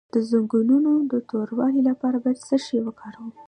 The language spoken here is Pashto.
د زنګونونو د توروالي لپاره باید څه شی وکاروم؟